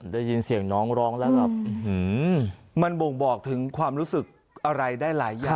ได้ยินเสียงน้องร้องแล้วแบบมันบ่งบอกถึงความรู้สึกอะไรได้หลายอย่าง